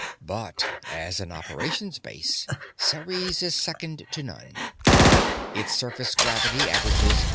But, as an operations base, Ceres is second to none. Its surface gravity averages